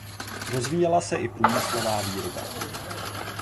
Rozvíjela se i průmyslová výroba.